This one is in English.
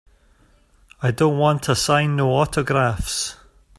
I don't wanta sign no autographs.